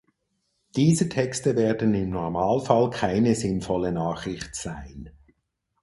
Diese Texte werden im Normalfall keine sinnvolle Nachricht sein.